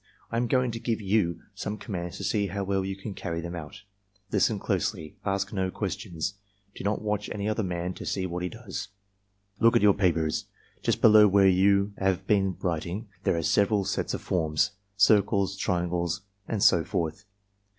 I am going to give you some commands to see how well you can carry them out. Listen closely. Ask no questions. Do not watch any other man to see what he does. "Look at your papers. Just below where you have been writing, there are several sets of forms — circles, triangles, and so forth.